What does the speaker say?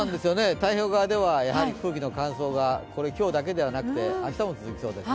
太平洋側では空気の乾燥が、今日だけではなくて明日も続きそうですね。